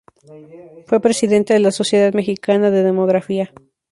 Fue presidenta de la Sociedad Mexicana de Demografía.